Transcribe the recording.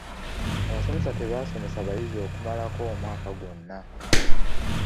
Abasomesa tebaasomesa bayizi okumalako omwaka gwonna.